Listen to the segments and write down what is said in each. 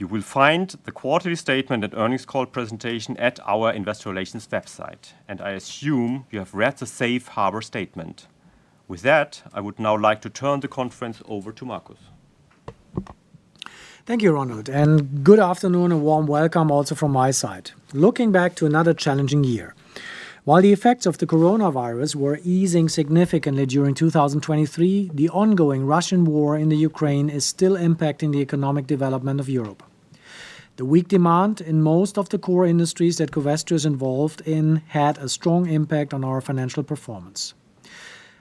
You will find the quarterly statement and earnings call presentation at our Investor Relations website, and I assume you have read the safe harbor statement. With that, I would now like to turn the conference over to Markus. Thank you, Ronald, and good afternoon and warm welcome also from my side. Looking back to another challenging year. While the effects of the coronavirus were easing significantly during 2023, the ongoing Russian war in Ukraine is still impacting the economic development of Europe. The weak demand in most of the core industries that Covestro is involved in had a strong impact on our financial performance.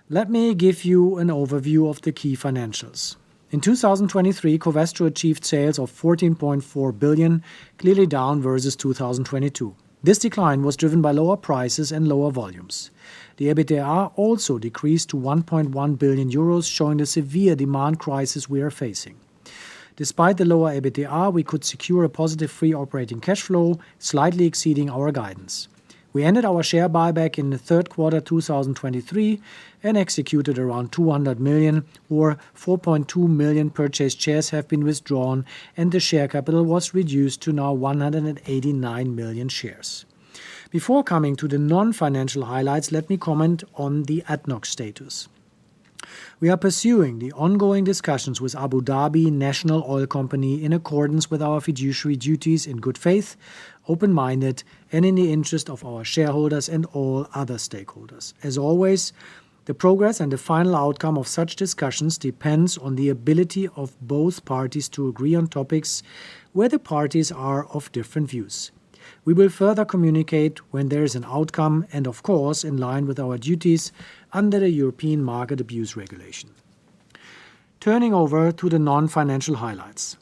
Let me give you an overview of the key financials. In 2023, Covestro achieved sales of 14.4 billion, clearly down versus 2022. This decline was driven by lower prices and lower volumes. The EBITDA also decreased to 1.1 billion euros, showing the severe demand crisis we are facing. Despite the lower EBITDA, we could secure a positive free operating cash flow, slightly exceeding our guidance. We ended our share buyback in the third quarter 2023 and executed around 200 million, or 4.2 million purchased shares have been withdrawn, and the share capital was reduced to now 189 million shares. Before coming to the non-financial highlights, let me comment on the ADNOC status. We are pursuing the ongoing discussions with Abu Dhabi National Oil Company in accordance with our fiduciary duties in good faith, open-minded, and in the interest of our shareholders and all other stakeholders. As always, the progress and the final outcome of such discussions depends on the ability of both parties to agree on topics where the parties are of different views. We will further communicate when there is an outcome and, of course, in line with our duties under the European Market Abuse Regulation. Turning over to the non-financial highlights.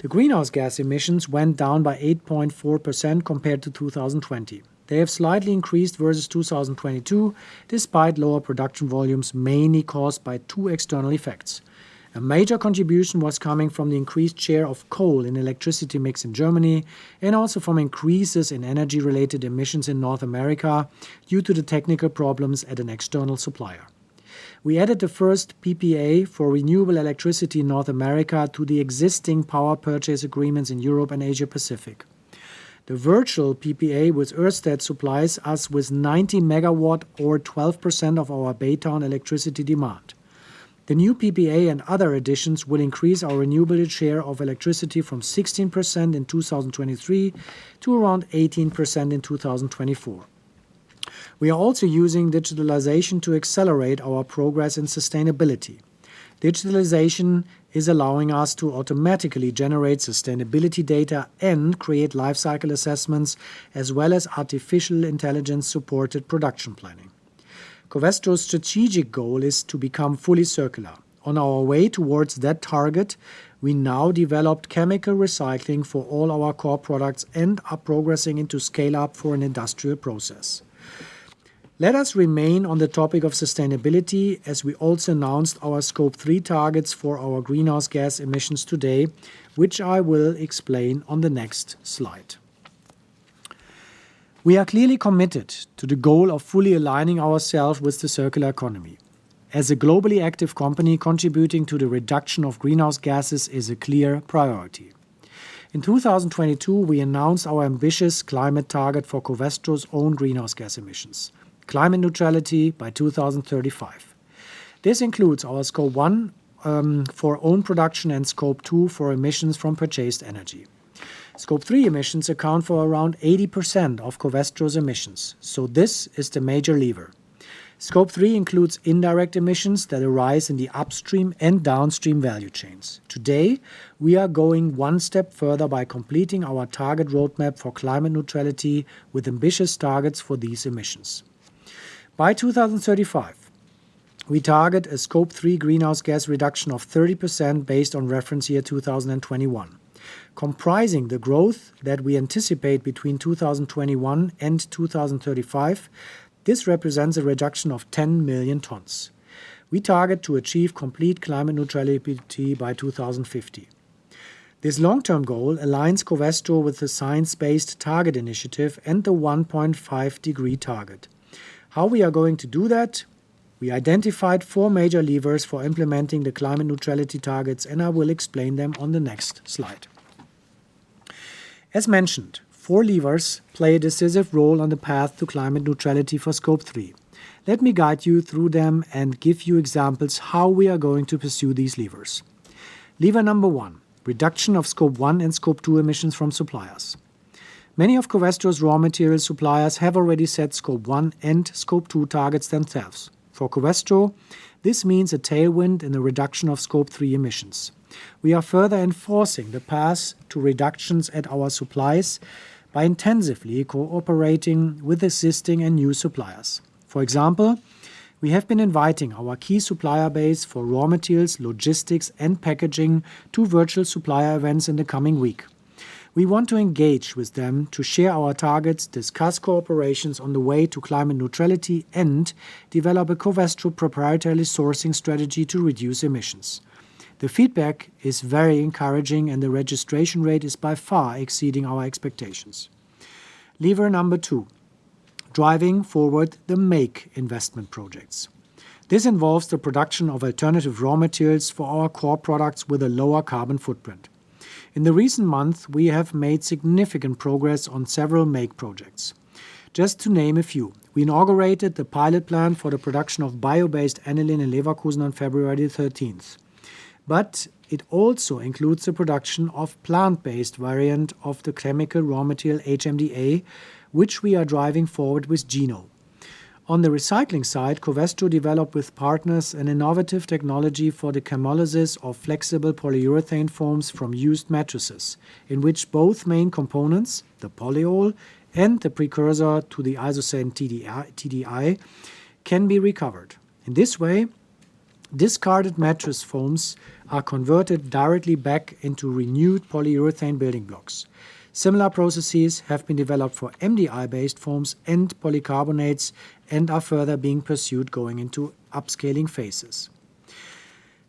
The greenhouse gas emissions went down by 8.4% compared to 2020. They have slightly increased versus 2022, despite lower production volumes mainly caused by two external effects. A major contribution was coming from the increased share of coal in electricity mix in Germany and also from increases in energy-related emissions in North America due to the technical problems at an external supplier. We added the first PPA for renewable electricity in North America to the existing power purchase agreements in Europe and Asia-Pacific. The virtual PPA with Ørsted supplies us with 90 megawatt, or 12%, of our Baytown electricity demand. The new PPA and other additions will increase our renewability share of electricity from 16% in 2023 to around 18% in 2024. We are also using digitalization to accelerate our progress in sustainability. Digitalization is allowing us to automatically generate sustainability data and create lifecycle assessments as well as artificial intelligence-supported production planning. Covestro's strategic goal is to become fully circular. On our way towards that target, we now developed chemical recycling for all our core products and are progressing into scale-up for an industrial process. Let us remain on the topic of sustainability as we also announced our Scope 3 targets for our greenhouse gas emissions today, which I will explain on the next slide. We are clearly committed to the goal of fully aligning ourselves with the circular economy. As a globally active company, contributing to the reduction of greenhouse gases is a clear priority. In 2022, we announced our ambitious climate target for Covestro's own greenhouse gas emissions: climate neutrality by 2035. This includes our Scope 1 for own production and Scope 2 for emissions from purchased energy. Scope 3 emissions account for around 80% of Covestro's emissions, so this is the major lever. Scope 3 includes indirect emissions that arise in the upstream and downstream value chains. Today, we are going one step further by completing our target roadmap for climate neutrality with ambitious targets for these emissions. By 2035, we target a Scope 3 greenhouse gas reduction of 30% based on reference year 2021. Comprising the growth that we anticipate between 2021 and 2035, this represents a reduction of 10 million tons. We target to achieve complete climate neutrality by 2050. This long-term goal aligns Covestro with the Science Based Targets initiative and the 1.5-degree target. How we are going to do that? We identified four major levers for implementing the climate neutrality targets, and I will explain them on the next slide. As mentioned, four levers play a decisive role on the path to climate neutrality for Scope 3. Let me guide you through them and give you examples how we are going to pursue these levers. Lever number one: reduction of Scope 1 and Scope 2 emissions from suppliers. Many of Covestro's raw materials suppliers have already set Scope 1 and Scope 2 targets themselves. For Covestro, this means a tailwind in the reduction of Scope 3 emissions. We are further enforcing the path to reductions at our suppliers by intensively cooperating with existing and new suppliers. For example, we have been inviting our key supplier base for raw materials, logistics, and packaging to virtual supplier events in the coming week. We want to engage with them to share our targets, discuss cooperations on the way to climate neutrality, and develop a Covestro proprietary sourcing strategy to reduce emissions. The feedback is very encouraging, and the registration rate is by far exceeding our expectations. Lever number two: driving forward the Make investment projects. This involves the production of alternative raw materials for our core products with a lower carbon footprint. In the recent months, we have made significant progress on several Make projects. Just to name a few: we inaugurated the pilot plant for the production of bio-based aniline in Leverkusen on February 13th. But it also includes the production of plant-based variants of the chemical raw material HMDA, which we are driving forward with Geno. On the recycling side, Covestro developed with partners an innovative technology for the chemolysis of flexible polyurethane foams from used mattresses, in which both main components, the polyol and the precursor to the isocyanate TDI, can be recovered. In this way, discarded mattress foams are converted directly back into renewed polyurethane building blocks. Similar processes have been developed for MDI-based foams and polycarbonates and are further being pursued going into upscaling phases.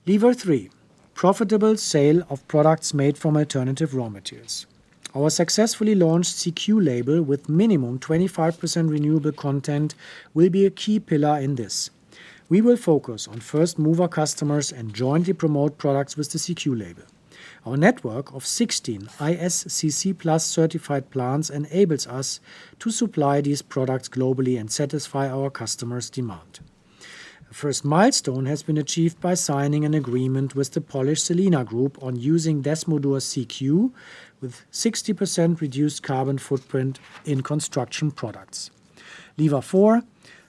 Lever 3: profitable sale of products made from alternative raw materials. Our successfully launched CQ label with minimum 25% renewable content will be a key pillar in this. We will focus on first-mover customers and jointly promote products with the CQ label. Our network of 16 ISCC+ certified plants enables us to supply these products globally and satisfy our customers' demand. A first milestone has been achieved by signing an agreement with the Polish Selena Group on using Desmodur CQ with 60% reduced carbon footprint in construction products. Lever 4: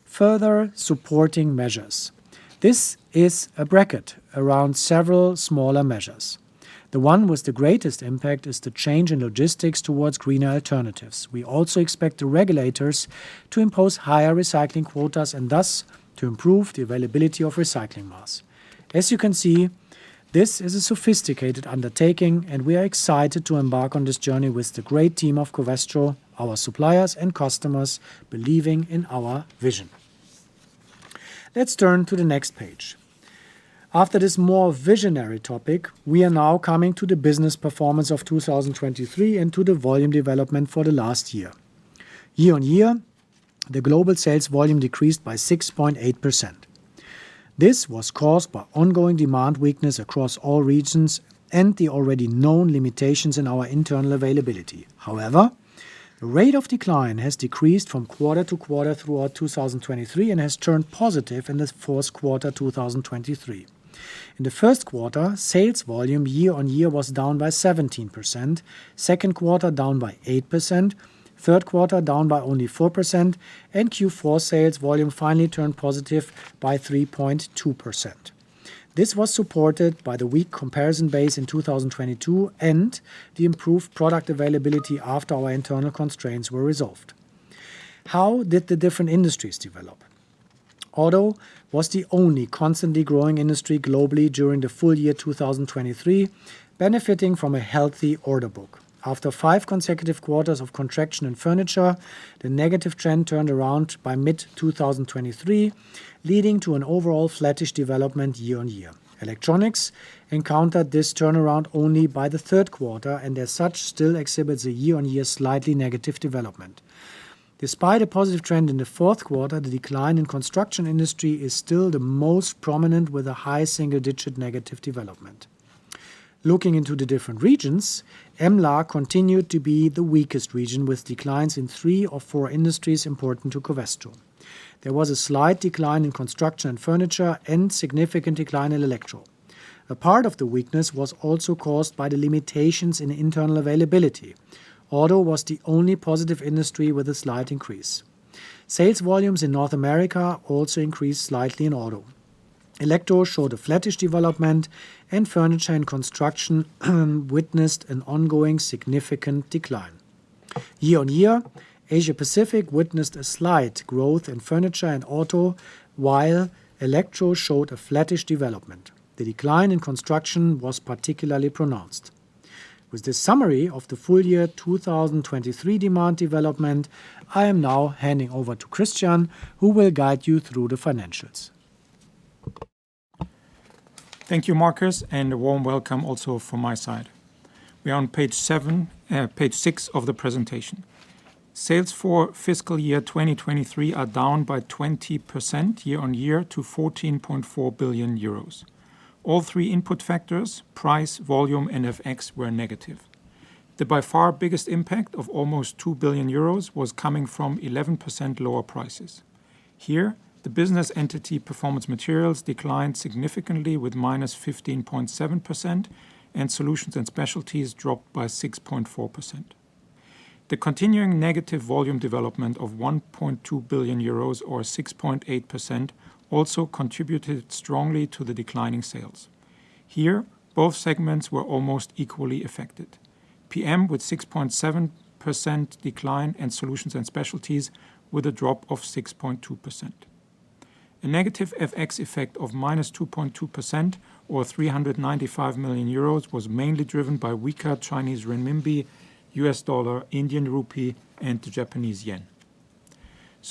further supporting measures. This is a bracket around several smaller measures. The one with the greatest impact is the change in logistics towards greener alternatives. We also expect the regulators to impose higher recycling quotas and thus to improve the availability of recycling mass. As you can see, this is a sophisticated undertaking, and we are excited to embark on this journey with the great team of Covestro, our suppliers, and customers believing in our vision. Let's turn to the next page. After this more visionary topic, we are now coming to the business performance of 2023 and to the volume development for the last year. Year on year, the global sales volume decreased by 6.8%. This was caused by ongoing demand weakness across all regions and the already known limitations in our internal availability. However, the rate of decline has decreased from quarter to quarter throughout 2023 and has turned positive in the fourth quarter 2023. In the first quarter, sales volume year-over-year was down by 17%, second quarter down by 8%, third quarter down by only 4%, and Q4 sales volume finally turned positive by 3.2%. This was supported by the weak comparison base in 2022 and the improved product availability after our internal constraints were resolved. How did the different industries develop? Auto was the only constantly growing industry globally during the full year 2023, benefiting from a healthy order book. After five consecutive quarters of contraction in furniture, the negative trend turned around by mid-2023, leading to an overall flattish development year-over-year. Electronics encountered this turnaround only by the third quarter, and as such still exhibits a year-over-year slightly negative development. Despite a positive trend in the fourth quarter, the decline in construction industry is still the most prominent with a high single-digit negative development. Looking into the different regions, EMLA continued to be the weakest region with declines in three or four industries important to Covestro. There was a slight decline in construction and furniture and significant decline in electrical. A part of the weakness was also caused by the limitations in internal availability. Auto was the only positive industry with a slight increase. Sales volumes in North America also increased slightly in auto. Electro showed a flattish development, and furniture and construction witnessed an ongoing significant decline. Year-on-year, Asia-Pacific witnessed a slight growth in furniture and auto, while electro showed a flattish development. The decline in construction was particularly pronounced. With this summary of the full year 2023 demand development, I am now handing over to Christian, who will guide you through the financials. Thank you, Markus, and a warm welcome also from my side. We are on page seven, page six of the presentation. Sales for fiscal year 2023 are down by 20% year-on-year to 14.4 billion euros. All three input factors, price, volume, and FX, were negative. The by far biggest impact of almost 2 billion euros was coming from 11% lower prices. Here, the business entity Performance Materials declined significantly with -15.7%, and Solutions and Specialties dropped by 6.4%. The continuing negative volume development of 1.2 billion euros, or 6.8%, also contributed strongly to the declining sales. Here, both segments were almost equally affected: PM with 6.7% decline and Solutions and Specialties with a drop of 6.2%. A negative FX effect of -2.2%, or 395 million euros, was mainly driven by weaker Chinese renminbi, U.S. dollar, Indian rupee, and the Japanese yen.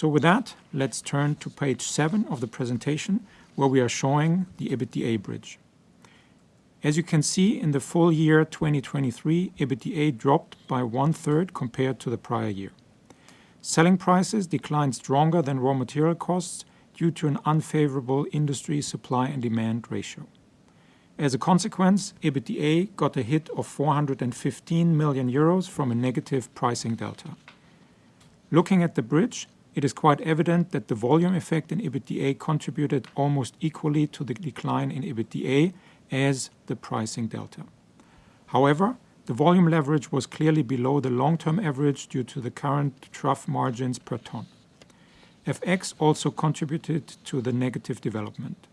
With that, let's turn to page 7 of the presentation, where we are showing the EBITDA bridge. As you can see, in the full year 2023, EBITDA dropped by one third compared to the prior year. Selling prices declined stronger than raw material costs due to an unfavorable industry supply and demand ratio. As a consequence, EBITDA got a hit of 415 million euros from a negative pricing delta. Looking at the bridge, it is quite evident that the volume effect in EBITDA contributed almost equally to the decline in EBITDA as the pricing delta. However, the volume leverage was clearly below the long-term average due to the current trough margins per ton. FX also contributed to the negative development.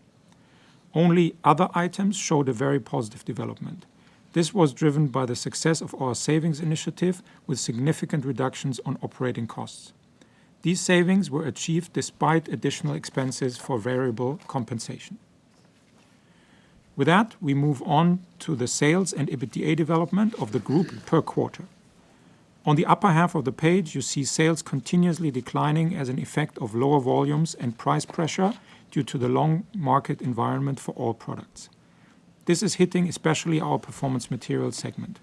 Only other items showed a very positive development. This was driven by the success of our savings initiative with significant reductions on operating costs. These savings were achieved despite additional expenses for variable compensation. With that, we move on to the sales and EBITDA development of the group per quarter. On the upper half of the page, you see sales continuously declining as an effect of lower volumes and price pressure due to the long market environment for all products. This is hitting especially our Performance Materials segment.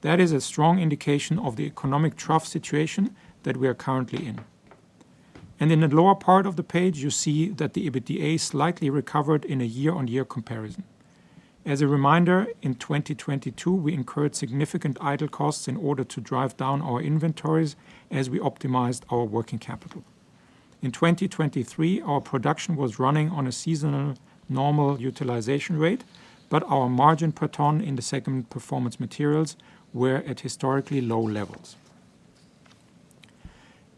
That is a strong indication of the economic trough situation that we are currently in. In the lower part of the page, you see that the EBITDA slightly recovered in a year-on-year comparison. As a reminder, in 2022, we incurred significant idle costs in order to drive down our inventories as we optimized our working capital. In 2023, our production was running on a seasonal, normal utilization rate, but our margin per ton in the segment Performance Materials were at historically low levels.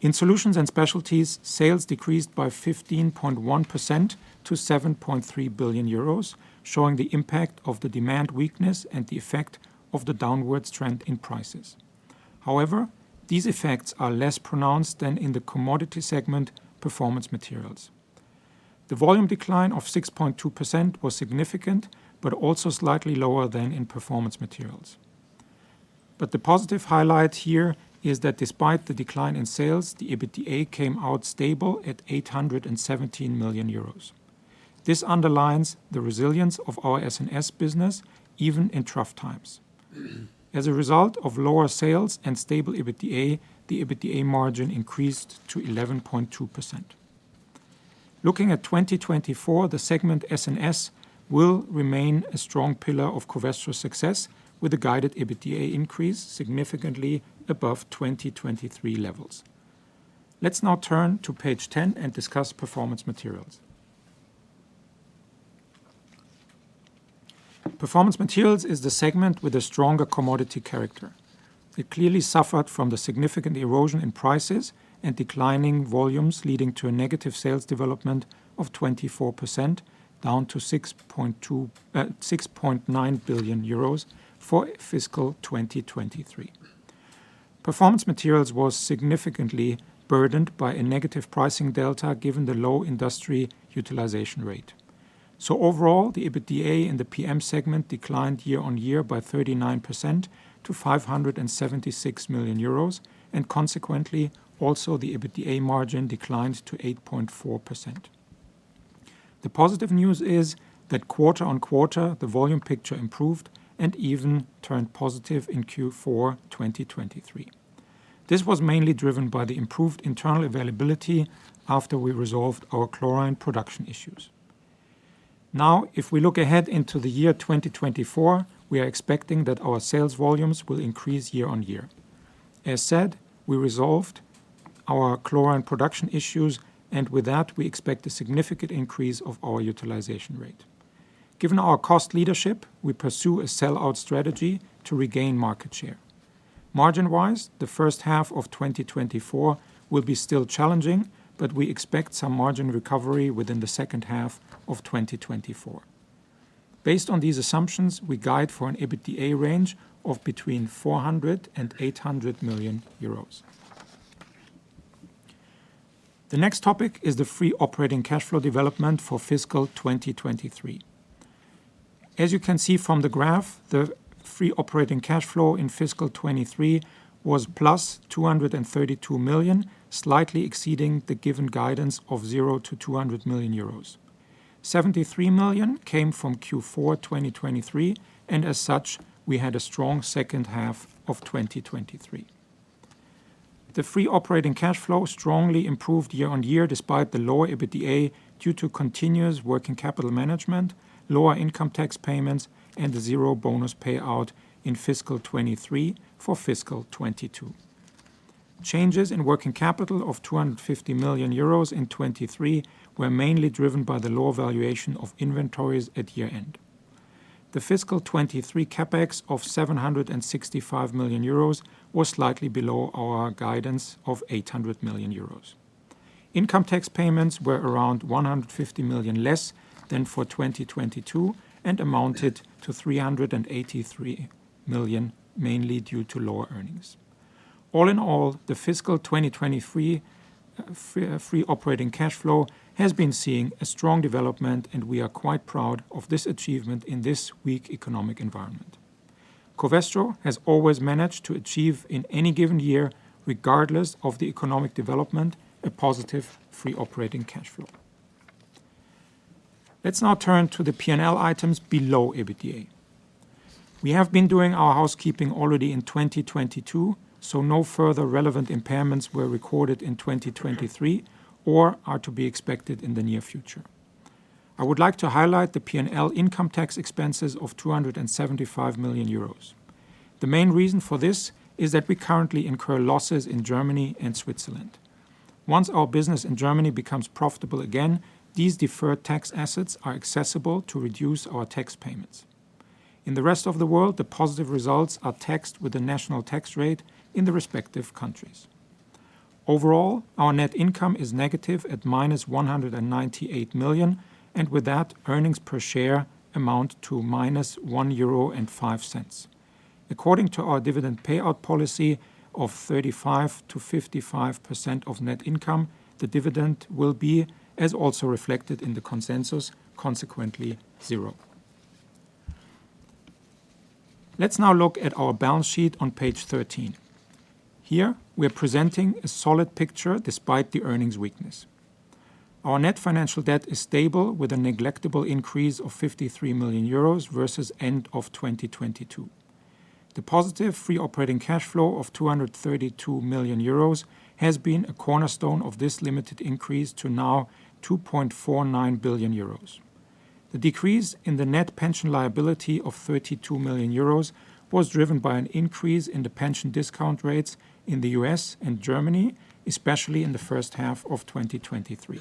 In Solutions and Specialties, sales decreased by 15.1% to 7.3 billion euros, showing the impact of the demand weakness and the effect of the downward trend in prices. However, these effects are less pronounced than in the commodity segment Performance Materials. The volume decline of 6.2% was significant but also slightly lower than in Performance Materials. But the positive highlight here is that despite the decline in sales, the EBITDA came out stable at 817 million euros. This underlines the resilience of our S&S business even in trough times. As a result of lower sales and stable EBITDA, the EBITDA margin increased to 11.2%. Looking at 2024, the segment S&S will remain a strong pillar of Covestro's success with a guided EBITDA increase significantly above 2023 levels. Let's now turn to page 10 and discuss Performance Materials. Performance Materials is the segment with a stronger commodity character. It clearly suffered from the significant erosion in prices and declining volumes leading to a negative sales development of 24% down to 6.2 billion-6.9 billion euros for fiscal 2023. Performance Materials was significantly burdened by a negative pricing delta given the low industry utilization rate. So overall, the EBITDA in the PM segment declined year-on-year by 39% to 576 million euros, and consequently, also the EBITDA margin declined to 8.4%. The positive news is that quarter-on-quarter, the volume picture improved and even turned positive in Q4 2023. This was mainly driven by the improved internal availability after we resolved our chlorine production issues. Now, if we look ahead into the year 2024, we are expecting that our sales volumes will increase year-on-year. As said, we resolved our chlorine production issues, and with that, we expect a significant increase of our utilization rate. Given our cost leadership, we pursue a sellout strategy to regain market share. Margin-wise, the first half of 2024 will be still challenging, but we expect some margin recovery within the second half of 2024. Based on these assumptions, we guide for an EBITDA range of between 400 million euros and 800 million euros. The next topic is the free operating cash flow development for fiscal 2023. As you can see from the graph, the free operating cash flow in fiscal 2023 was +232 million, slightly exceeding the given guidance of 0 million-200 million euros. 73 million came from Q4 2023, and as such, we had a strong second half of 2023. The free operating cash flow strongly improved year-on-year despite the lower EBITDA due to continuous working capital management, lower income tax payments, and the zero bonus payout in fiscal 2023 for fiscal 2022. Changes in working capital of 250 million euros in 2023 were mainly driven by the lower valuation of inventories at year-end. The fiscal 2023 CapEx of 765 million euros was slightly below our guidance of 800 million euros. Income tax payments were around 150 million less than for 2022 and amounted to 383 million, mainly due to lower earnings. All in all, the fiscal 2023 free operating cash flow has been seeing a strong development, and we are quite proud of this achievement in this weak economic environment. Covestro has always managed to achieve in any given year, regardless of the economic development, a positive free operating cash flow. Let's now turn to the P&L items below EBITDA. We have been doing our housekeeping already in 2022, so no further relevant impairments were recorded in 2023 or are to be expected in the near future. I would like to highlight the P&L income tax expenses of 275 million euros. The main reason for this is that we currently incur losses in Germany and Switzerland. Once our business in Germany becomes profitable again, these deferred tax assets are accessible to reduce our tax payments. In the rest of the world, the positive results are taxed with the national tax rate in the respective countries. Overall, our net income is negative at -198 million, and with that, earnings per share amount to -1.05 euro. According to our dividend payout policy of 35%-55% of net income, the dividend will be, as also reflected in the consensus, consequently zero. Let's now look at our balance sheet on page 13. Here, we are presenting a solid picture despite the earnings weakness. Our net financial debt is stable with a negligible increase of 53 million euros versus end of 2022. The positive free operating cash flow of 232 million euros has been a cornerstone of this limited increase to now 2.49 billion euros. The decrease in the net pension liability of 32 million euros was driven by an increase in the pension discount rates in the U.S. and Germany, especially in the first half of 2023.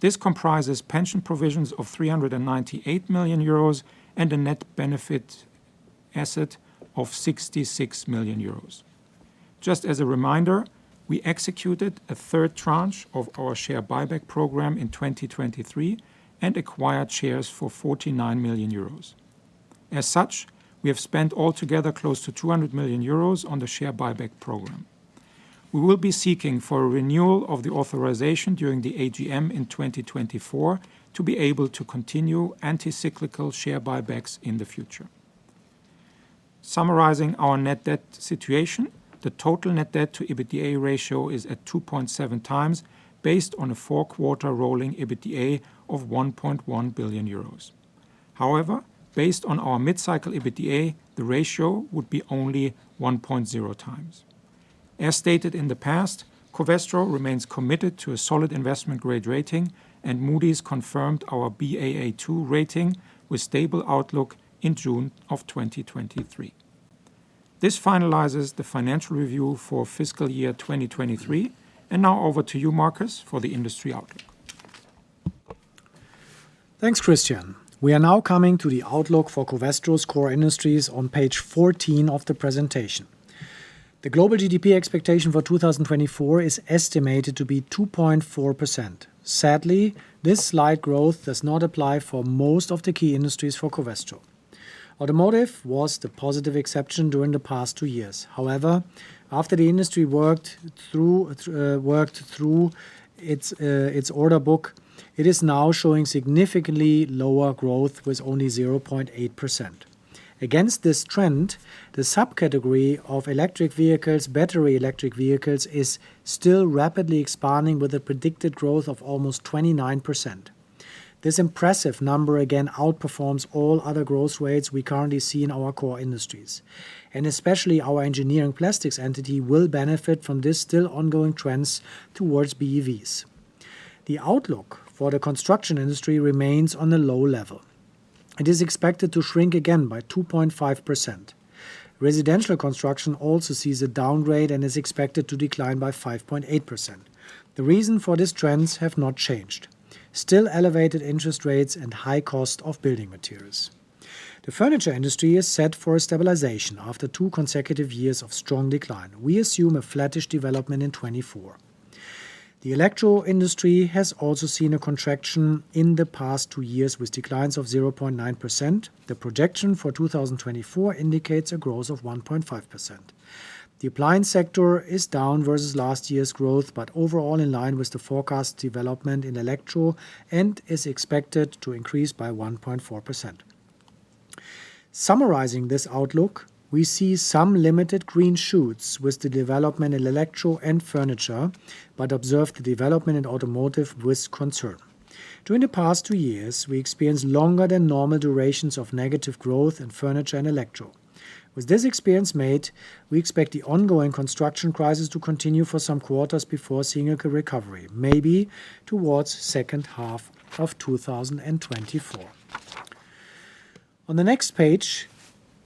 This comprises pension provisions of 398 million euros and a net benefit asset of 66 million euros. Just as a reminder, we executed a third tranche of our share buyback program in 2023 and acquired shares for 49 million euros. As such, we have spent altogether close to 200 million euros on the share buyback program. We will be seeking for a renewal of the authorization during the AGM in 2024 to be able to continue anti-cyclical share buybacks in the future. Summarizing our net debt situation, the total net debt to EBITDA ratio is at 2.7x based on a four-quarter rolling EBITDA of 1.1 billion euros. However, based on our mid-cycle EBITDA, the ratio would be only 1.0 times. As stated in the past, Covestro remains committed to a solid investment grade rating, and Moody's confirmed our Baa2 rating with stable outlook in June of 2023. This finalizes the financial review for fiscal year 2023, and now over to you, Markus, for the industry outlook. Thanks, Christian. We are now coming to the outlook for Covestro's core industries on page 14 of the presentation. The global GDP expectation for 2024 is estimated to be 2.4%. Sadly, this slight growth does not apply for most of the key industries for Covestro. Automotive was the positive exception during the past two years. However, after the industry worked through its order book, it is now showing significantly lower growth with only 0.8%. Against this trend, the subcategory of electric vehicles, battery electric vehicles, is still rapidly expanding with a predicted growth of almost 29%. This impressive number again outperforms all other growth rates we currently see in our core industries. Especially our engineering plastics entity will benefit from this still ongoing trends towards BEVs. The outlook for the construction industry remains on a low level. It is expected to shrink again by 2.5%. Residential construction also sees a downgrade and is expected to decline by 5.8%. The reason for this trends has not changed: still elevated interest rates and high cost of building materials. The furniture industry is set for a stabilization after two consecutive years of strong decline. We assume a flattish development in 2024. The electro industry has also seen a contraction in the past two years with declines of 0.9%. The projection for 2024 indicates a growth of 1.5%. The appliance sector is down versus last year's growth but overall in line with the forecast development in electro and is expected to increase by 1.4%. Summarizing this outlook, we see some limited green shoots with the development in electro and furniture but observe the development in automotive with concern. During the past two years, we experienced longer than normal durations of negative growth in furniture and electro. With this experience made, we expect the ongoing construction crisis to continue for some quarters before seeing a recovery, maybe towards second half of 2024. On the next page,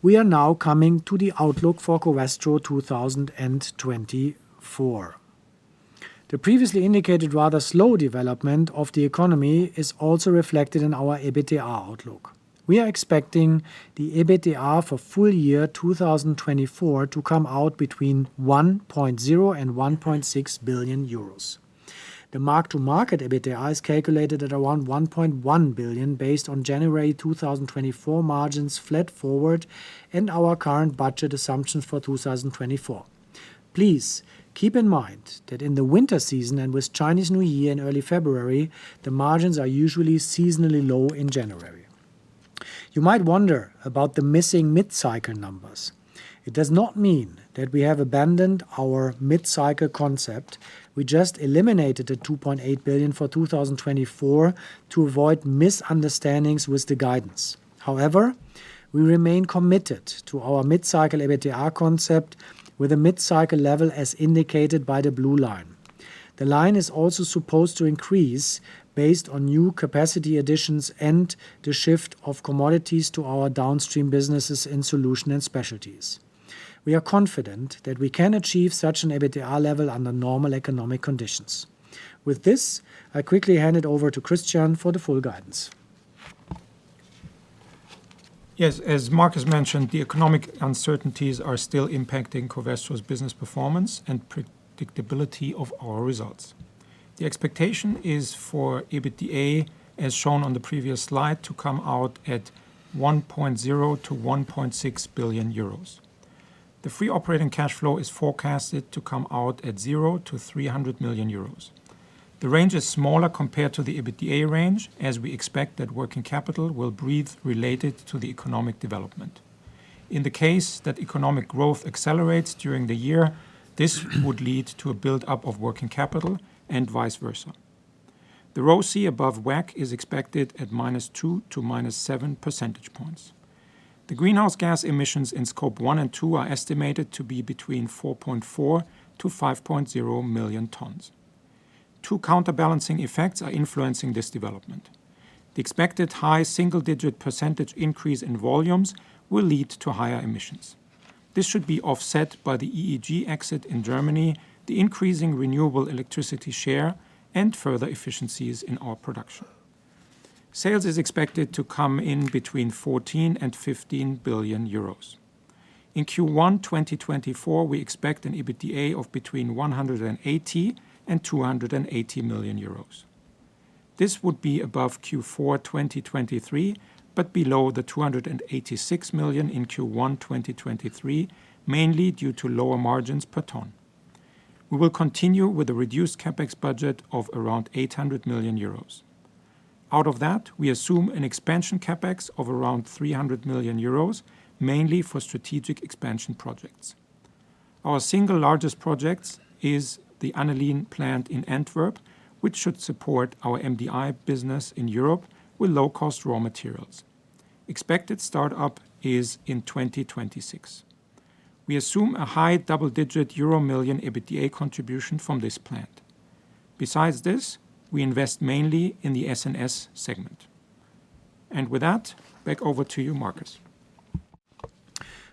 we are now coming to the outlook for Covestro 2024. The previously indicated rather slow development of the economy is also reflected in our EBITDA outlook. We are expecting the EBITDA for full year 2024 to come out between 1.0 billion and 1.6 billion euros. The mark-to-market EBITDA is calculated at around 1.1 billion based on January 2024 margins flat forward and our current budget assumptions for 2024. Please keep in mind that in the winter season and with Chinese New Year in early February, the margins are usually seasonally low in January. You might wonder about the missing mid-cycle numbers. It does not mean that we have abandoned our mid-cycle concept. We just eliminated the 2.8 billion for 2024 to avoid misunderstandings with the guidance. However, we remain committed to our mid-cycle EBITDA concept with a mid-cycle level as indicated by the blue line. The line is also supposed to increase based on new capacity additions and the shift of commodities to our downstream businesses in solution and specialties. We are confident that we can achieve such an EBITDA level under normal economic conditions. With this, I quickly hand it over to Christian for the full guidance. Yes, as Markus mentioned, the economic uncertainties are still impacting Covestro's business performance and predictability of our results. The expectation is for EBITDA, as shown on the previous slide, to come out at 1.0 billion-1.6 billion euros. The free operating cash flow is forecasted to come out at 0-300 million euros. The range is smaller compared to the EBITDA range, as we expect that working capital will behave related to the economic development. In the case that economic growth accelerates during the year, this would lead to a buildup of working capital and vice versa. The ROCE above WACC is expected at -2 to -7 percentage points. The greenhouse gas emissions in Scope 1 and 2 are estimated to be between 4.4-5.0 million tons. Two counterbalancing effects are influencing this development. The expected high single-digit % increase in volumes will lead to higher emissions. This should be offset by the EEG exit in Germany, the increasing renewable electricity share, and further efficiencies in our production. Sales is expected to come in between 14 billion and 15 billion euros. In Q1 2024, we expect an EBITDA of between 180 million and 280 million euros. This would be above Q4 2023 but below the 286 million in Q1 2023, mainly due to lower margins per ton. We will continue with a reduced CapEx budget of around 800 million euros. Out of that, we assume an expansion CapEx of around 300 million euros, mainly for strategic expansion projects. Our single largest project is the aniline plant in Antwerp, which should support our MDI business in Europe with low-cost raw materials. Expected startup is in 2026. We assume a high double-digit EUR million EBITDA contribution from this plant. Besides this, we invest mainly in the S&S segment. And with that, back over to you, Markus.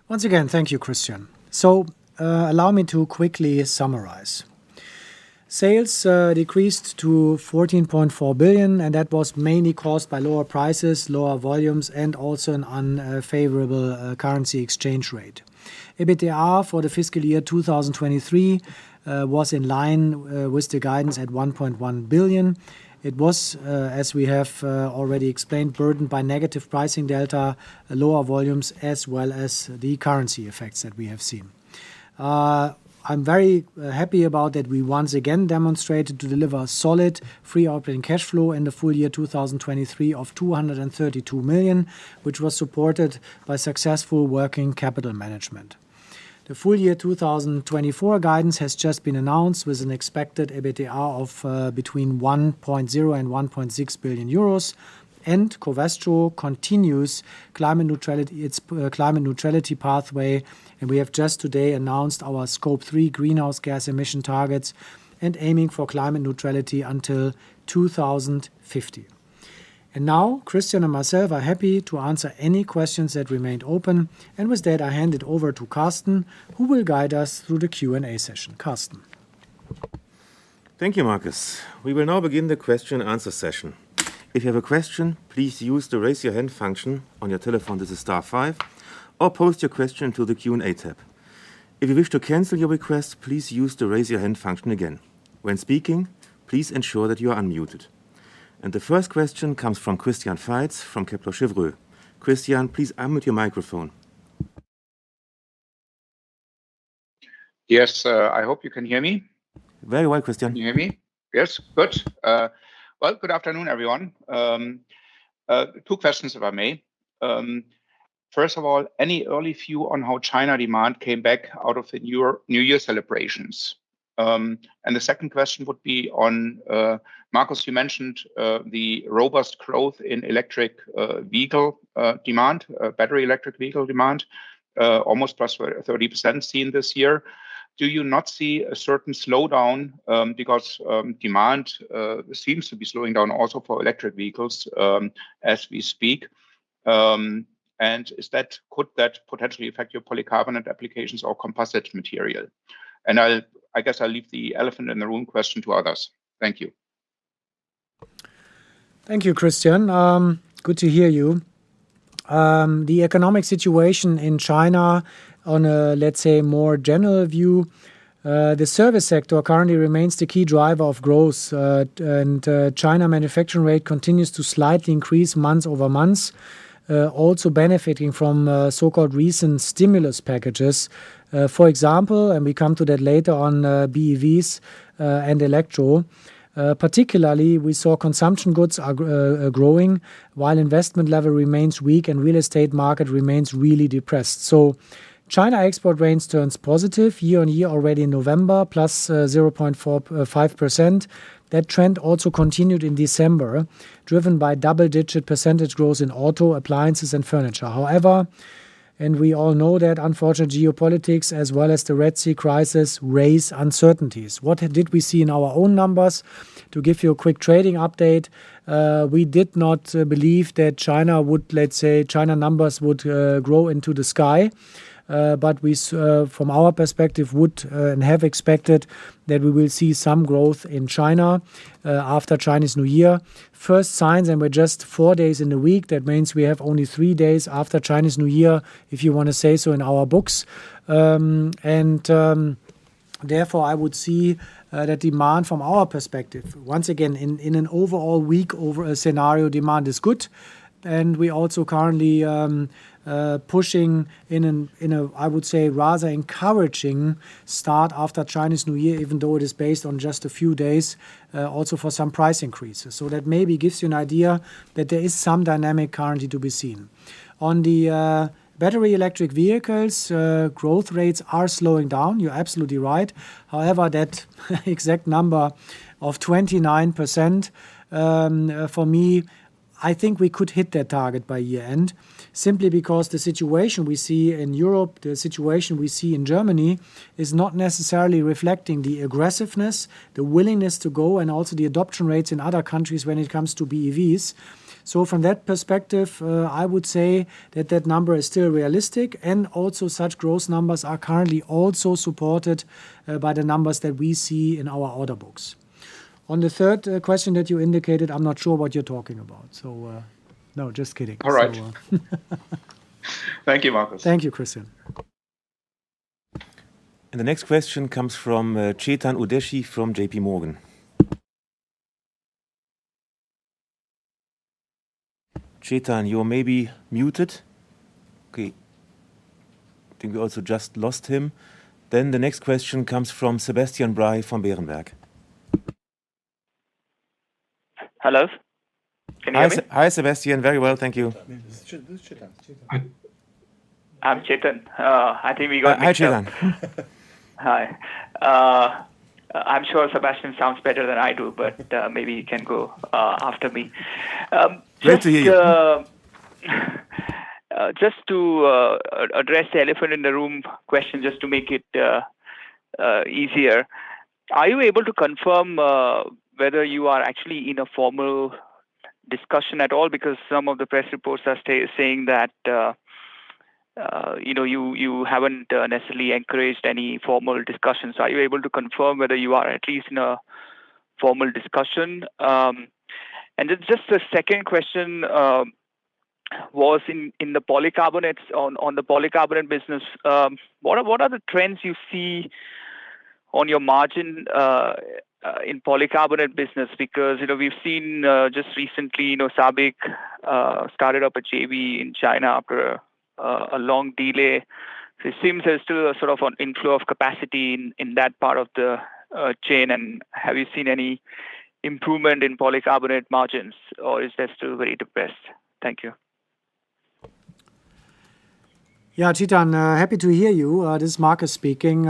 Once again, thank you, Christian. So, allow me to quickly summarize. Sales decreased to 14.4 billion, and that was mainly caused by lower prices, lower volumes, and also an unfavorable currency exchange rate. EBITDA for the fiscal year 2023 was in line with the guidance at 1.1 billion. It was, as we have already explained, burdened by negative pricing delta, lower volumes, as well as the currency effects that we have seen. I'm very happy about that we once again demonstrated to deliver solid free operating cash flow in the full year 2023 of 232 million, which was supported by successful working capital management. The full year 2024 guidance has just been announced with an expected EBITDA of between 1.0 billion and 1.6 billion euros. Covestro continues its climate neutrality pathway, and we have just today announced our scope three greenhouse gas emission targets and aiming for climate neutrality until 2050. Now, Christian and myself are happy to answer any questions that remained open, and with that, I hand it over to Carsten, who will guide us through the Q&A session. Carsten. Thank you, Markus. We will now begin the question-and-answer session. If you have a question, please use the raise-your-hand function on your telephone; this is Star Five, or post your question to the Q&A tab. If you wish to cancel your request, please use the raise-your-hand function again. When speaking, please ensure that you are unmuted. And the first question comes from Christian Faitz from Kepler Cheuvreux. Christian, please unmute your microphone. Yes, I hope you can hear me. Very well, Christian. Can you hear me? Yes, good. Well, good afternoon, everyone. Two questions, if I may. First of all, any early view on how China demand came back out of the New Year celebrations? And the second question would be on, Markus, you mentioned, the robust growth in electric vehicle demand, battery electric vehicle demand, almost +30% seen this year. Do you not see a certain slowdown, because demand seems to be slowing down also for electric vehicles, as we speak? And could that potentially affect your polycarbonate applications or composite material? I'll, I guess I'll leave the elephant in the room question to others. Thank you. Thank you, Christian. Good to hear you. The economic situation in China on a, let's say, more general view, the service sector currently remains the key driver of growth, and China manufacturing rate continues to slightly increase month-over-month, also benefiting from so-called recent stimulus packages. For example, and we come to that later on, BEVs, and electro, particularly we saw consumption goods are growing while investment level remains weak and real estate market remains really depressed. So, China export gains turns positive year-on-year already in November, plus 0.45%. That trend also continued in December, driven by double-digit percentage growth in auto, appliances, and furniture. However, and we all know that, unfortunately, geopolitics as well as the Red Sea crisis raise uncertainties. What did we see in our own numbers? To give you a quick trading update, we did not believe that China would, let's say, China numbers would grow into the sky. But we, from our perspective, would and have expected that we will see some growth in China after Chinese New Year. First signs, and we're just four days into the week, that means we have only three days after Chinese New Year, if you want to say so, in our books. And therefore I would see that demand from our perspective, once again, in an overall week-over-week scenario, demand is good. And we also currently pushing in an, in a, I would say, rather encouraging start after Chinese New Year, even though it is based on just a few days, also for some price increases. So that maybe gives you an idea that there is some dynamic currently to be seen. On the battery electric vehicles, growth rates are slowing down. You're absolutely right. However, that exact number of 29%, for me, I think we could hit that target by year-end. Simply because the situation we see in Europe, the situation we see in Germany, is not necessarily reflecting the aggressiveness, the willingness to go, and also the adoption rates in other countries when it comes to BEVs. So from that perspective, I would say that that number is still realistic, and also such growth numbers are currently also supported by the numbers that we see in our order books. On the third question that you indicated, I'm not sure what you're talking about. So, no, just kidding. All right. Thank you, Markus. Thank you, Christian. The next question comes from Chetan Udeshi from JPMorgan. Chetan, you're maybe muted. Okay. I think we also just lost him. Then the next question comes from Sebastian Bray from Berenberg. Hello? Can you hear me? Hi, Sebastian. Very well, thank you. This is Chetan. I'm Chetan. I think we got you. Hi, Chetan. Hi. I'm sure Sebastian sounds better than I do, but maybe you can go after me. Just to, just to address the elephant in the room question, just to make it easier. Are you able to confirm whether you are actually in a formal discussion at all? Because some of the press reports are staying saying that, you know, you, you haven't necessarily encouraged any formal discussion. So are you able to confirm whether you are at least in a formal discussion? And then just the second question was in the polycarbonates, on the polycarbonate business. What are the trends you see on your margin in polycarbonate business? Because, you know, we've seen, just recently, you know, SABIC started up a JV in China after a long delay. So it seems there's still a sort of an inflow of capacity in that part of the chain. And have you seen any improvement in polycarbonate margins, or is that still very depressed? Thank you. Yeah, Chetan, happy to hear you. This is Markus speaking.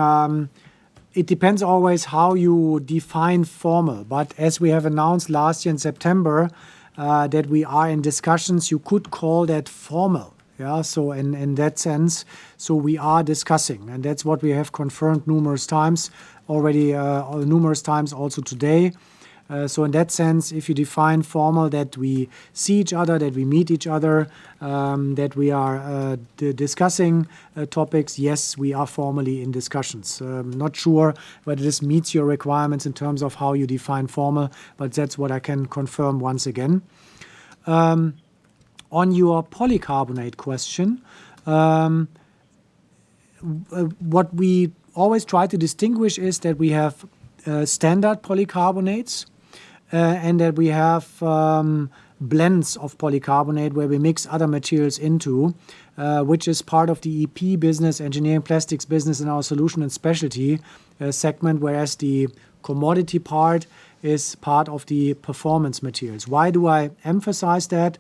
It depends always how you define formal. But as we have announced last year in September, that we are in discussions, you could call that formal, yeah? So in that sense, so we are discussing. And that's what we have confirmed numerous times already, numerous times also today. So in that sense, if you define formal, that we see each other, that we meet each other, that we are discussing topics, yes, we are formally in discussions. Not sure whether this meets your requirements in terms of how you define formal, but that's what I can confirm once again. On your polycarbonate question, what we always try to distinguish is that we have standard polycarbonates, and that we have blends of polycarbonate where we mix other materials into, which is part of the EP business, engineering plastics business in our Solutions and Specialties segment, whereas the commodity part is part of the Performance Materials. Why do I emphasize that?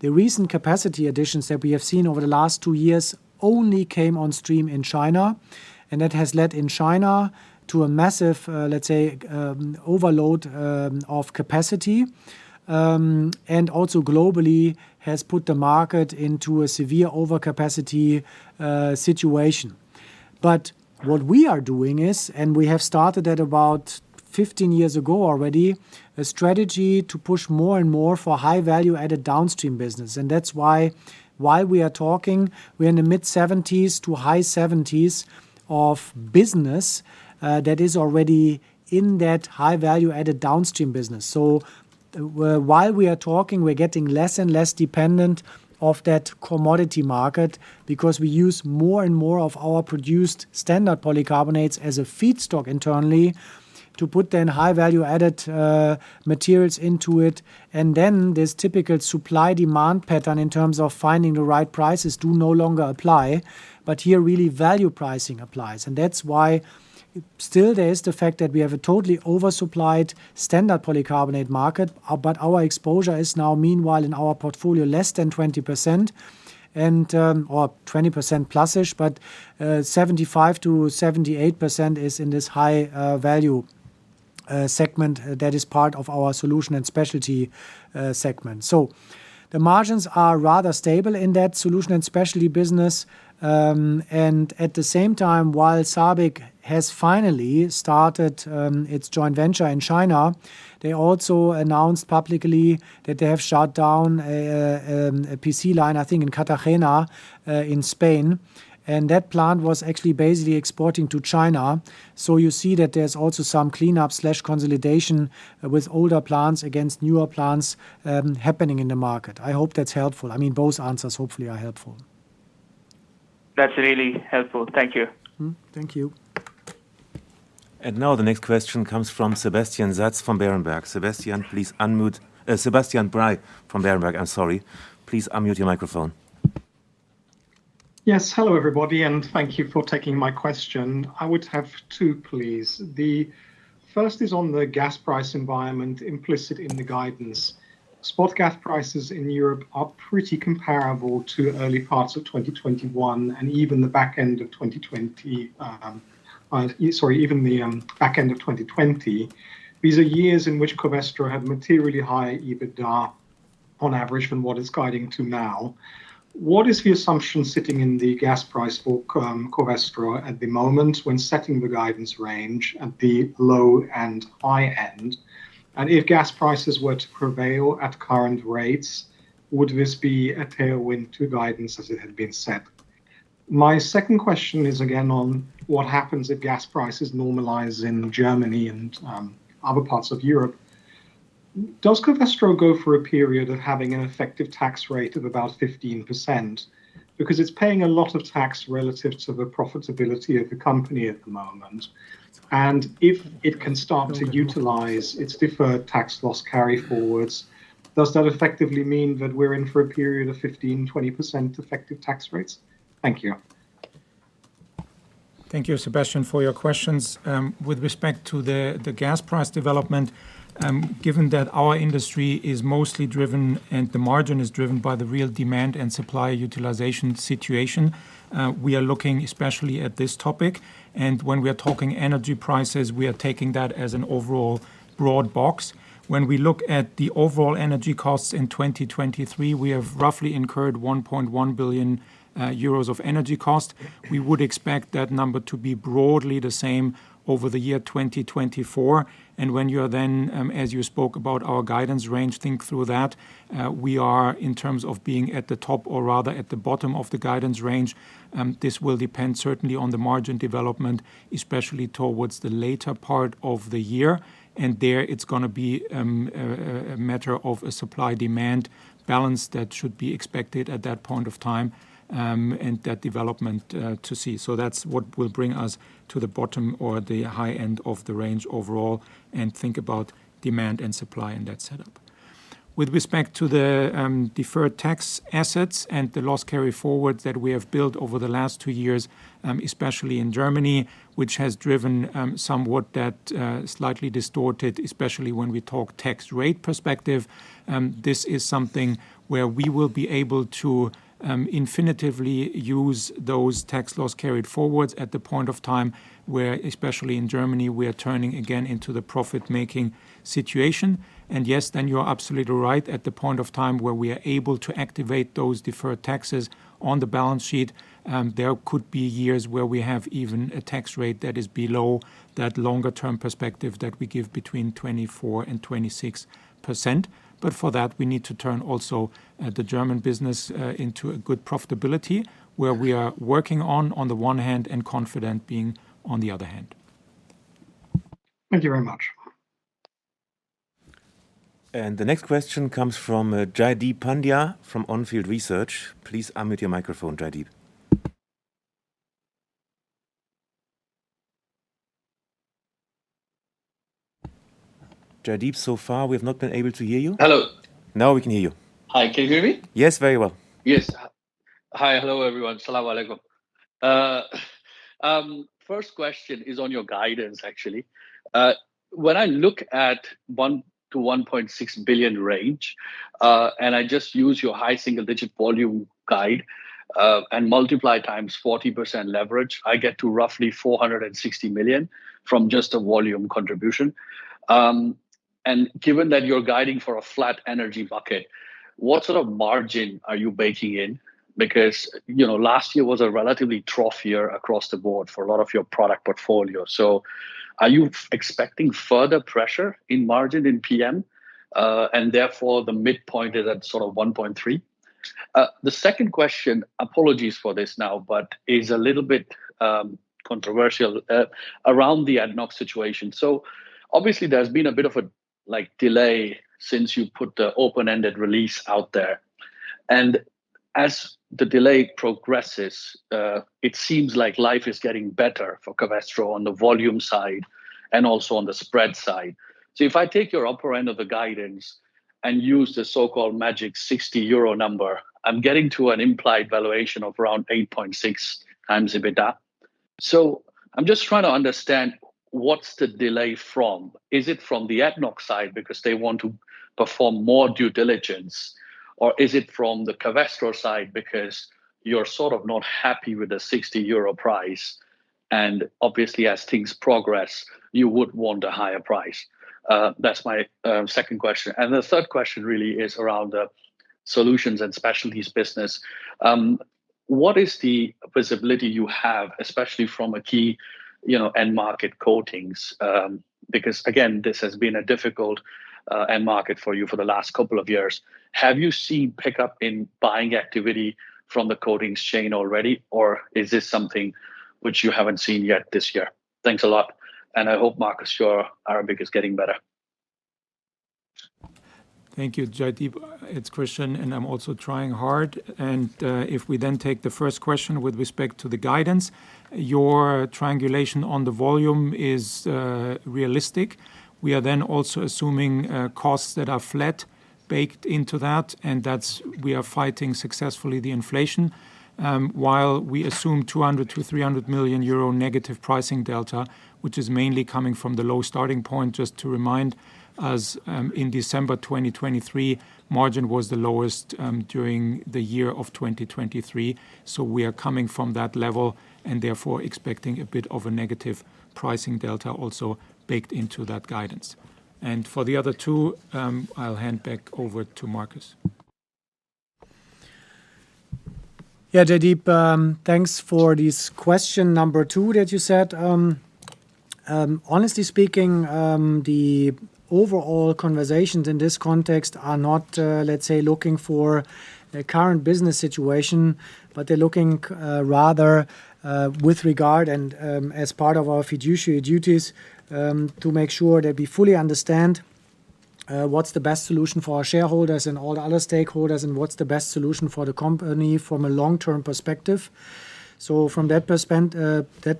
The recent capacity additions that we have seen over the last two years only came on stream in China, and that has led in China to a massive, let's say, overload of capacity, and also globally has put the market into a severe overcapacity situation. But what we are doing is, and we have started that about 15 years ago already, a strategy to push more and more for high-value-added downstream business. And that's why, while we are talking, we're in the mid-70s to high-70s of business, that is already in that high-value-added downstream business. So, while we are talking, we're getting less and less dependent on that commodity market because we use more and more of our produced standard polycarbonates as a feedstock internally to put then high-value-added materials into it. And then this typical supply-demand pattern in terms of finding the right prices do no longer apply. But here really value pricing applies. And that's why still there is the fact that we have a totally oversupplied standard polycarbonate market, but our exposure is now meanwhile in our portfolio less than 20%. And, or 20% plus-ish, but, 75%-78% is in this high-value segment that is part of our Solutions & Specialties segment. So the margins are rather stable in that Solutions & Specialties business. And at the same time, while SABIC has finally started its joint venture in China, they also announced publicly that they have shut down a PC line, I think, in Cartagena, in Spain. And that plant was actually basically exporting to China. So you see that there's also some cleanup/consolidation with older plants against newer plants happening in the market. I hope that's helpful. I mean, both answers hopefully are helpful. That's really helpful. Thank you. Thank you. And now the next question comes from Sebastian Satz from Berenberg. Sebastian, please unmute. Sebastian Bray from Berenberg, I'm sorry. Please unmute your microphone. Yes, hello everybody, and thank you for taking my question. I would have two, please. The first is on the gas price environment implicit in the guidance. Spot gas prices in Europe are pretty comparable to early parts of 2021 and even the back end of 2020, sorry, even the, back end of 2020. These are years in which Covestro had materially higher EBITDA on average than what it's guiding to now. What is the assumption sitting in the gas price book, Covestro at the moment when setting the guidance range at the low and high end? And if gas prices were to prevail at current rates, would this be a tailwind to guidance as it had been set? My second question is again on what happens if gas prices normalize in Germany and other parts of Europe. Does Covestro go for a period of having an effective tax rate of about 15%? Because it's paying a lot of tax relative to the profitability of the company at the moment. And if it can start to utilize its deferred tax loss carryforwards, does that effectively mean that we're in for a period of 15%-20% effective tax rates? Thank you. Thank you, Sebastian, for your questions. With respect to the gas price development, given that our industry is mostly driven and the margin is driven by the real demand and supply utilization situation, we are looking especially at this topic. And when we are talking energy prices, we are taking that as an overall broad box. When we look at the overall energy costs in 2023, we have roughly incurred 1.1 billion euros of energy cost. We would expect that number to be broadly the same over the year 2024. When you are then, as you spoke about our guidance range, think through that, we are in terms of being at the top or rather at the bottom of the guidance range. This will depend certainly on the margin development, especially towards the later part of the year. There it's going to be, a matter of a supply-demand balance that should be expected at that point of time, and that development, to see. So that's what will bring us to the bottom or the high end of the range overall and think about demand and supply in that setup. With respect to the deferred tax assets and the loss carryforwards that we have built over the last two years, especially in Germany, which has driven somewhat that slightly distorted, especially when we talk tax rate perspective, this is something where we will be able to eventually use those tax loss carryforwards at the point of time where, especially in Germany, we are turning again into the profit-making situation. And yes, then you're absolutely right, at the point of time where we are able to activate those deferred taxes on the balance sheet, there could be years where we have even a tax rate that is below that longer-term perspective that we give between 24% and 26%. But for that, we need to turn also the German business into a good profitability where we are working on, on the one hand, and confident being on the other hand. Thank you very much. And the next question comes from Jaydeep Pandya from Onfield Research. Please unmute your microphone, Jaydeep. Jaydeep, so far we have not been able to hear you. Hello. Now we can hear you. Hi, can you hear me? Yes, very well. Yes. Hi, hello everyone. Assalamualaikum. First question is on your guidance, actually. When I look at 1 billion-1.6 billion range, and I just use your high single-digit volume guide, and multiply times 40% leverage, I get to roughly 460 million from just a volume contribution. And given that you're guiding for a flat energy bucket, what sort of margin are you baking in? Because, you know, last year was a relatively trough year across the board for a lot of your product portfolio. So are you expecting further pressure in margin in PM, and therefore the midpoint is at sort of 1.3 billion? The second question, apologies for this now, but is a little bit controversial around the ADNOC situation. So obviously there's been a bit of a, like, delay since you put the open-ended release out there. And as the delay progresses, it seems like life is getting better for Covestro on the volume side and also on the spread side. So if I take your upper end of the guidance and use the so-called magic 60 euro number, I'm getting to an implied valuation of around 8.6 times EBITDA. So I'm just trying to understand what's the delay from? Is it from the ADNOC side because they want to perform more due diligence, or is it from the Covestro side because you're sort of not happy with the 60 euro price? And obviously, as things progress, you would want a higher price. That's my second question. And the third question really is around the Solutions and Specialties business. What is the visibility you have, especially from a key, you know, end-market coatings? Because again, this has been a difficult end market for you for the last couple of years. Have you seen pickup in buying activity from the coatings chain already, or is this something which you haven't seen yet this year? Thanks a lot. And I hope, Markus, your Arabic is getting better. Thank you, Jaydeep. It's Christian, and I'm also trying hard. If we then take the first question with respect to the guidance, your triangulation on the volume is realistic. We are then also assuming costs that are flat baked into that. And that's we are fighting successfully the inflation, while we assume 200-300 million euro negative pricing delta, which is mainly coming from the low starting point. Just to remind us, in December 2023, margin was the lowest during the year of 2023. So we are coming from that level and therefore expecting a bit of a negative pricing delta also baked into that guidance. And for the other two, I'll hand back over to Markus. Yeah, Jaydeep, thanks for this question number 2 that you said. Honestly speaking, the overall conversations in this context are not, let's say, looking for the current business situation, but they're looking, rather, with regard and, as part of our fiduciary duties, to make sure that we fully understand what's the best solution for our shareholders and all the other stakeholders and what's the best solution for the company from a long-term perspective. So from that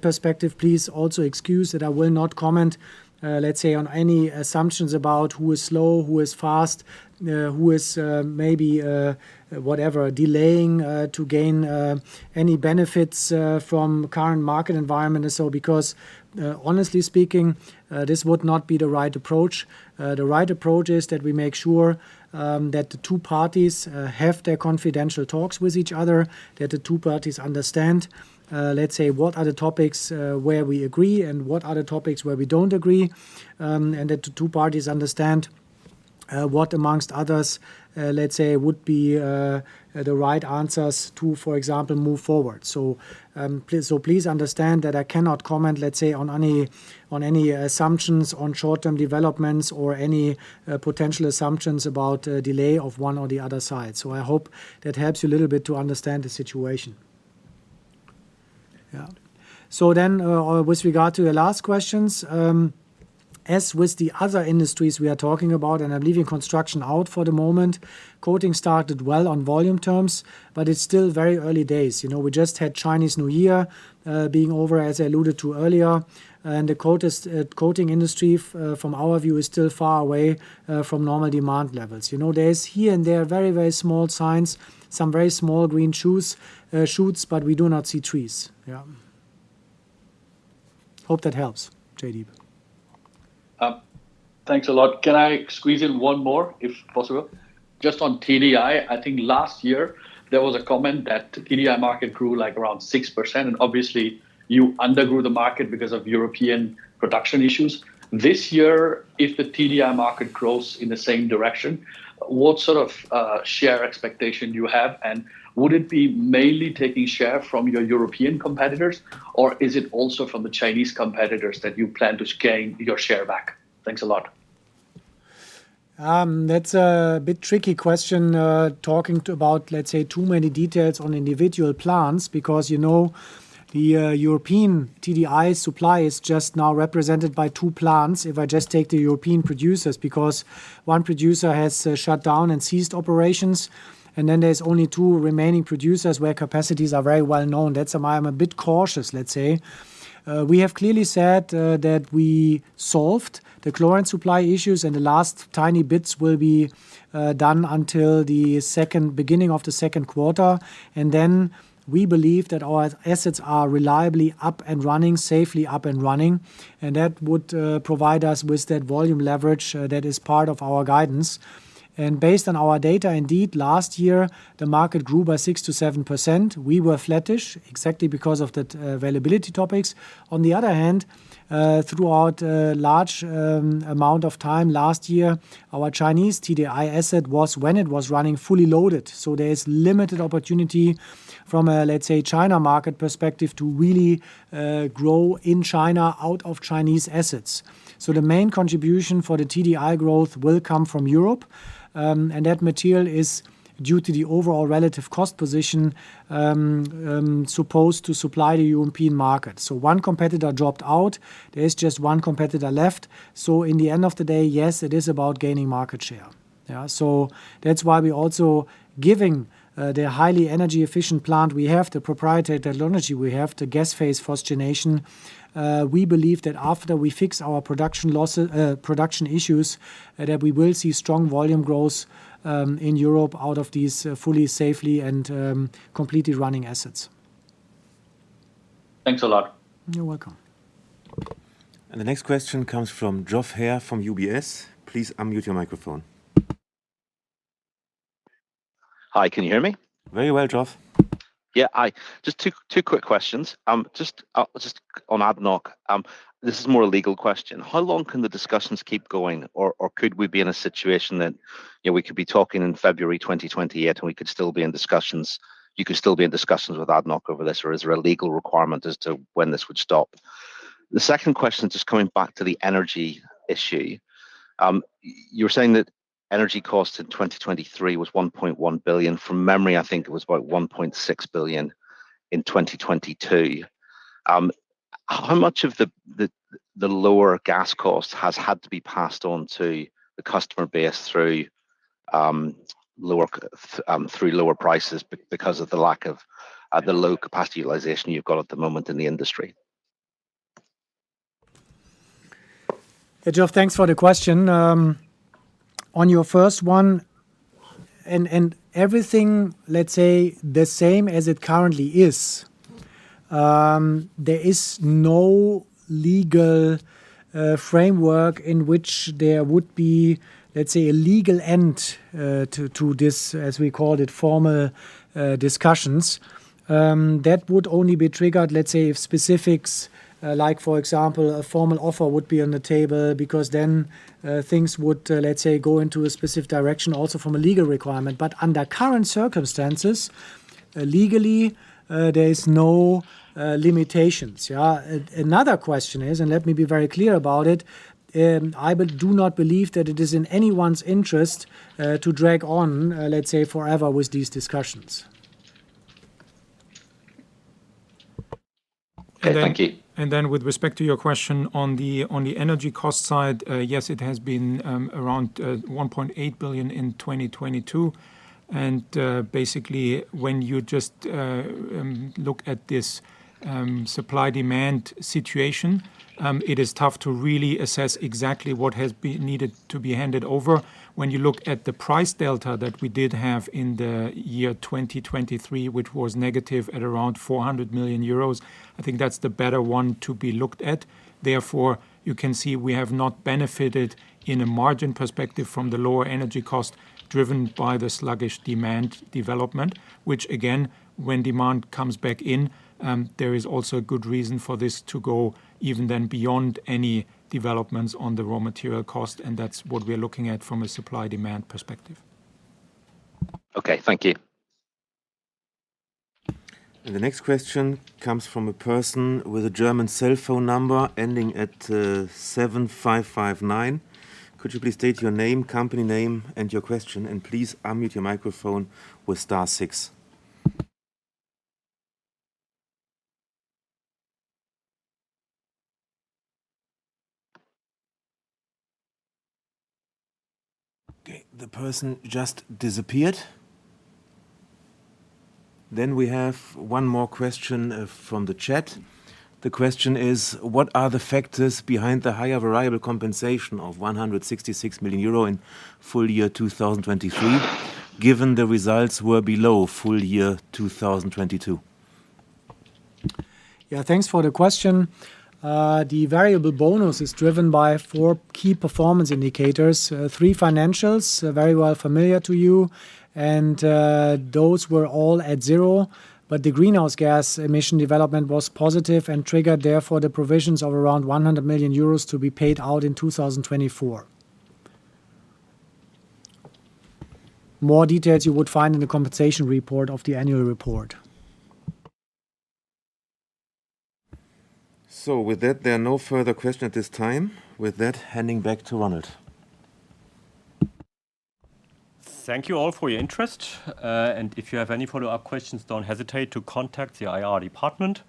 perspective, please also excuse that I will not comment, let's say, on any assumptions about who is slow, who is fast, who is maybe whatever delaying to gain any benefits from current market environment and so because, honestly speaking, this would not be the right approach. The right approach is that we make sure that the two parties have their confidential talks with each other, that the two parties understand, let's say, what are the topics where we agree and what are the topics where we don't agree, and that the two parties understand what, amongst others, let's say, would be the right answers to, for example, move forward. So please understand that I cannot comment, let's say, on any assumptions on short-term developments or any potential assumptions about a delay of one or the other side. So I hope that helps you a little bit to understand the situation. So then, with regard to the last questions, as with the other industries we are talking about, and I'm leaving construction out for the moment, coating started well on volume terms, but it's still very early days. You know, we just had Chinese New Year being over, as I alluded to earlier. And the coatings industry, from our view, is still far away from normal demand levels. You know, there's here and there very, very small signs, some very small green shoots, but we do not see trees. Hope that helps, Jaydeep. Thanks a lot. Can I squeeze in one more, if possible? Just on TDI, I think last year there was a comment that TDI market grew like around 6%, and obviously you undergrew the market because of European production issues. This year, if the TDI market grows in the same direction, what sort of share expectation do you have? And would it be mainly taking share from your European competitors, or is it also from the Chinese competitors that you plan to gain your share back? Thanks a lot. That's a bit tricky question, talking about, let's say, too many details on individual plants because, you know, the European TDI supply is just now represented by two plants if I just take the European producers because one producer has shut down and ceased operations, and then there's only two remaining producers where capacities are very well known. That's why I'm a bit cautious, let's say. We have clearly said that we solved the chlorine supply issues, and the last tiny bits will be done until the second beginning of the second quarter. And then we believe that our assets are reliably up and running, safely up and running, and that would provide us with that volume leverage, that is part of our guidance. Based on our data, indeed, last year the market grew by 6%-7%. We were flattish exactly because of that, availability topics. On the other hand, throughout a large amount of time last year, our Chinese TDI asset was when it was running fully loaded. So there's limited opportunity from a, let's say, China market perspective to really grow in China out of Chinese assets. So the main contribution for the TDI growth will come from Europe. And that material is, due to the overall relative cost position, supposed to supply the European market. So one competitor dropped out. There's just one competitor left. So, in the end of the day, yes, it is about gaining market share. Yeah. So that's why we also giving, the highly energy-efficient plant we have, the proprietary technology we have, the gas-phase phosgenation, we believe that after we fix our production losses, production issues, that we will see strong volume growth, in Europe out of these, fully, safely, and, completely running assets. Thanks a lot. You're welcome. And the next question comes from Geoff Haire from UBS. Please unmute your microphone. Hi, can you hear me? Very well, Geoff. Yeah, hi. Just two, two quick questions. Just, just on ADNOC, this is more a legal question. How long can the discussions keep going, or, or could we be in a situation that, you know, we could be talking in February 2028 and we could still be in discussions you could still be in discussions with ADNOC over this, or is there a legal requirement as to when this would stop? The second question is just coming back to the energy issue. You were saying that energy cost in 2023 was 1.1 billion. From memory, I think it was about 1.6 billion in 2022. How much of the lower gas cost has had to be passed on to the customer base through lower costs through lower prices because of the lack of the low capacity utilization you've got at the moment in the industry? Yeah, Geoff, thanks for the question. On your first one, and everything, let's say, the same as it currently is, there is no legal framework in which there would be, let's say, a legal end to this, as we called it, formal discussions. That would only be triggered, let's say, if specifics, like, for example, a formal offer would be on the table because then things would, let's say, go into a specific direction also from a legal requirement. But under current circumstances, legally, there's no limitations. Yeah. Another question is, and let me be very clear about it, I do not believe that it is in anyone's interest to drag on, let's say, forever with these discussions. Yeah, thank you. And then with respect to your question on the energy cost side, yes, it has been around 1.8 billion in 2022. Basically when you just look at this supply-demand situation, it is tough to really assess exactly what needs to be handed over. When you look at the price delta that we did have in the year 2023, which was negative at around 400 million euros, I think that's the better one to be looked at. Therefore, you can see we have not benefited in a margin perspective from the lower energy cost driven by the sluggish demand development, which again, when demand comes back in, there is also a good reason for this to go even then beyond any developments on the raw material cost. And that's what we are looking at from a supply-demand perspective. Okay, thank you. And the next question comes from a person with a German cell phone number ending at 7559. Could you please state your name, company name, and your question? Please unmute your microphone with star six. Okay, the person just disappeared. We have one more question, from the chat. The question is, what are the factors behind the higher variable compensation of 166 million euro in full year 2023, given the results were below full year 2022? Yeah, thanks for the question. The variable bonus is driven by four key performance indicators, three financials, very well familiar to you. Those were all at zero. But the greenhouse gas emission development was positive and triggered therefore the provisions of around 100 million euros to be paid out in 2024. More details you would find in the compensation report of the annual report. With that, there are no further questions at this time. With that, handing back to Ronald. Thank you all for your interest. And if you have any follow-up questions, don't hesitate to contact the IR department.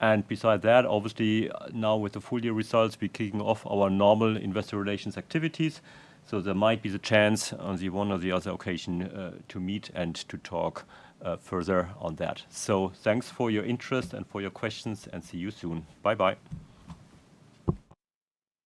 And beside that, obviously, now with the full year results, we're kicking off our normal investor relations activities. So there might be the chance on the one or the other occasion, to meet and to talk, further on that. So thanks for your interest and for your questions, and see you soon. Bye-bye.